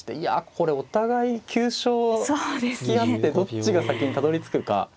これお互い急所を突き合ってどっちが先にたどりつくか。